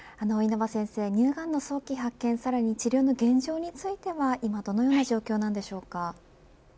乳がんの早期発見さらに治療の現状については今どのような状況なんでしょうか。